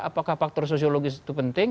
apakah faktor sosiologis itu penting